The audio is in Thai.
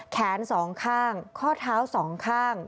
แขนสองข้างข้อเท้าสองข้าง